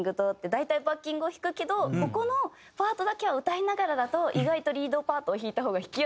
大体バッキングを弾くけどここのパートだけは歌いながらだと意外とリードパートを弾いた方が弾きやすいみたいなのを。